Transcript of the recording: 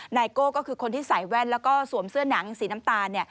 นายโก้ก็คือคนที่ใส่แว่นแล้วก็สวมเสื้อหนังสีน้ำตาล